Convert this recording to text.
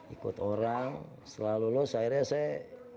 ikut orang selalu lulus akhirnya saya